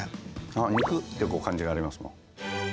肉って感じがありますもん。